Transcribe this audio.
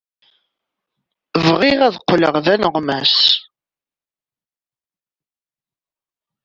Bɣiɣ ad qqleɣ d aneɣmas.